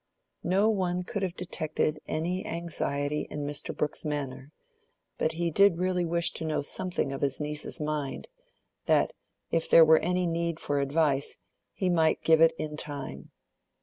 No one could have detected any anxiety in Mr. Brooke's manner, but he did really wish to know something of his niece's mind, that, if there were any need for advice, he might give it in time.